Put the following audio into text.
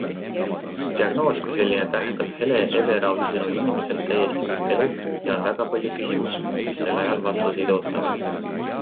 Diagnoos kui selline tähendab Hele Everausi sõnul inimesele täiesti uut elu ja on väga palju küsimusi, mis sel ajal vastuseid ootavad.